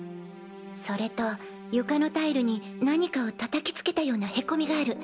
それと床のタイルに何かを叩きつけたような凹みがある。